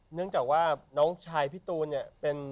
เนื่องจากว่าน้องชายพี่ตูนเนี่ยเป็น